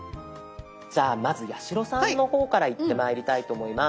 じゃあまず八代さんの方からいってまいりたいと思います。